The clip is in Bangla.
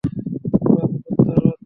বাবু, কুত্তার বাচ্চা!